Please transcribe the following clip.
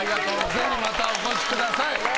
ぜひまたお越しください。